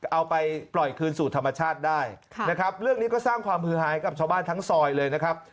เอาไปปล่อยคืนสู่ธรรมชาติได้นะครับเรื่องนี้ก็สร้างความฮือหายกับชาวบ้านทั้งซอยเลยนะครับ